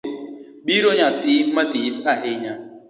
Be ingeyo piro nyathii mathis ahinya?